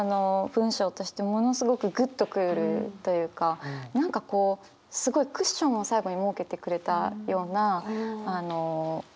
文章としてものすごくグッと来るというか何かすごいクッションを最後に設けてくれたような文章になってて。